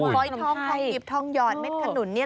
ก็อินกามของหวานขนมไทย